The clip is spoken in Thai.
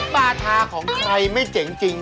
บาทาของใครไม่เจ๋งจริง